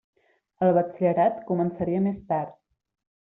El batxillerat començaria més tard.